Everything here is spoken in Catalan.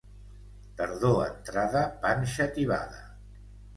Tardor entrada, panxa tibada.